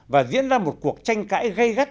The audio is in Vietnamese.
và diễn ra một cuộc tranh cãi gây gắt